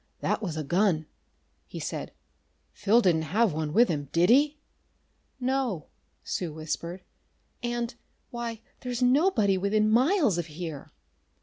"That was a gun!" he said. "Phil didn't have one with him, did he?" "No," Sue whispered. "And why, there's nobody within miles of here!"